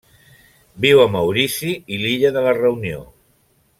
Viu a Maurici i l'illa de la Reunió.